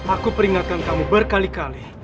aku peringatkan kamu berkali kali